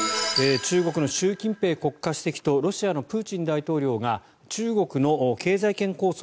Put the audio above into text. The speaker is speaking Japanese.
中国の習近平国家主席とロシアのプーチン大統領が中国の経済圏構想